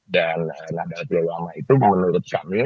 dan nahdal pultul ulamah itu menurut kami